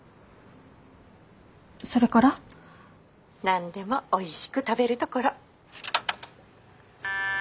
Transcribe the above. ☎何でもおいしく食べるところ。